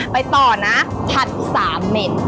ไปต่อนะผัด๓เหม็น